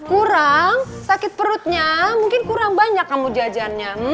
kurang sakit perutnya mungkin kurang banyak kamu jajannya